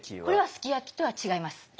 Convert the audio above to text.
これはすき焼きとは違います。